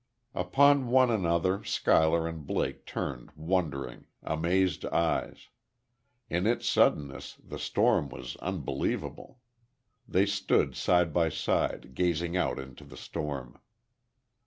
Upon one another Schuyler and Blake turned wondering, amazed eyes. In its suddenness, the storm was unbelievable. They stood, side by side, gazing out into the storm.